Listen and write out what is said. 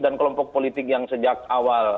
dan kelompok politik yang sejak awal